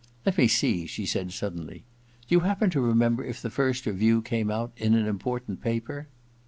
• Let me see/ she said suddenly ;* do you happen to remember if the first review came out in an important paper